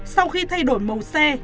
sau khi thay đổi màu xe